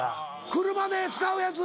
車で使うやつ。